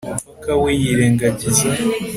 Umupaka we yirengagiza